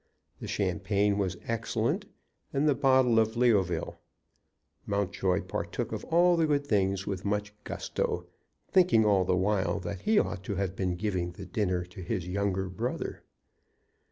The champagne was excellent, and the bottle of Leoville. Mountjoy partook of all the good things with much gusto, thinking all the while that he ought to have been giving the dinner to his younger brother.